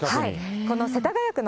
この世田谷区の。